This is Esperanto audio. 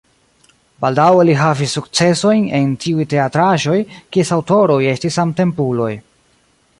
Baldaŭe li havis sukcesojn en tiuj teatraĵoj, kies aŭtoroj estis samtempuloj.